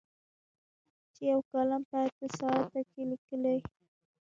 چې یو کالم په اته ساعته کې لیکي.